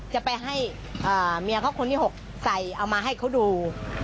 จะไปให้เมียเขาคนที่๖ใส่เอามาให้เขาดู